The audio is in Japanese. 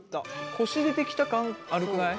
コシ出てきた感あるくない？